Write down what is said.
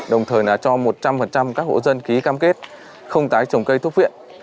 đồng thời cho một trăm linh các hộ dân ký cam kết không tái trồng cây thuốc viện